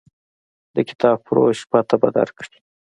د کتابفروش پته به درکړي.